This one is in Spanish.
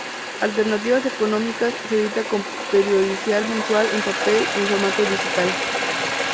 Alternativas Económicas se edita con periodicidad mensual en papel y en formato digital.